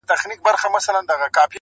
هغه چي ځان زما او ما د ځان بولي عالمه.